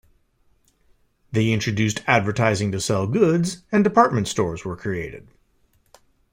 They introduced advertising to sell goods and department stores were created.